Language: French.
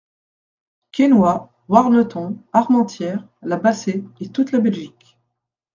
Quesnoy, Warneton, Armentières, La Bassée et toute la Belgique.